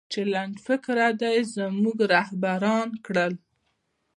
چې لنډفکره دې زموږه رهبران کړل